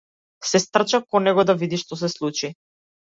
Се стрча кон него да види што се случи.